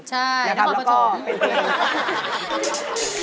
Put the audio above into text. ใช่มากครอบครับวทีมก่อนอาหารครับผม